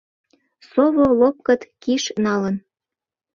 Сово лопкыт киш налын.